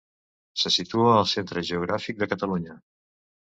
Se situa al centre geogràfic de Catalunya.